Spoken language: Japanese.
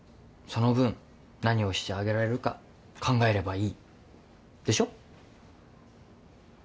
その分何をしてあげられるか考えればいい。でしょ？